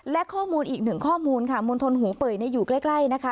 และข้อมูลอีกหนึ่งข้อมูลค่ะมณฑลหูเป่ยอยู่ใกล้นะคะ